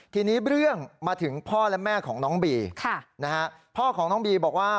ทีนี้เรื่องมาถึงพ่อและแม่ของน้องบีพ่อของน้องบีบอกว่า